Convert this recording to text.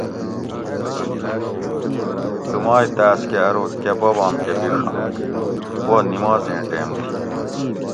لُومائ تاۤس کہ ارو کہ بابام کہ بِیڛنت؟ وو نِمازیں ٹیم تھی